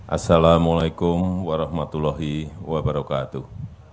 assalamu alaikum warahmatullahi wabarakatuh